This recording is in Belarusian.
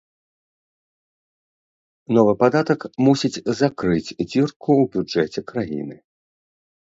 Новы падатак мусіць закрыць дзірку ў бюджэце краіны.